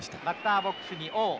バッターボックスに王。